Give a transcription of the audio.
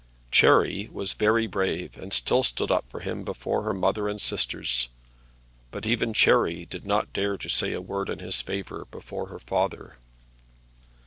Cherry was very brave, and still stood up for him before her mother and sisters; but even Cherry did not dare to say a word in his favour before her father.